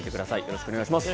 よろしくお願いします。